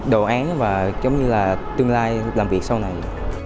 đồ án và tương lai làm việc sau này